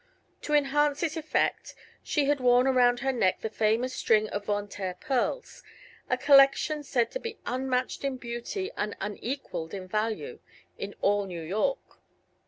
To enhance its effect she had worn around her neck the famous string of Von Taer pearls, a collection said to be unmatched in beauty and unequaled in value in all New York.